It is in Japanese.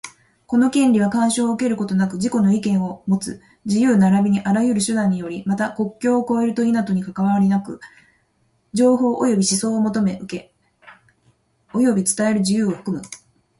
この権利は、干渉を受けることなく自己の意見をもつ自由並びにあらゆる手段により、また、国境を越えると否とにかかわりなく、情報及び思想を求め、受け、及び伝える自由を含む。